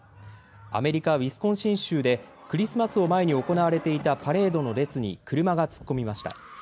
アメリカ・ウィスコンシン州でクリスマスを前に行われていたパレードの列に車が突っ込みました。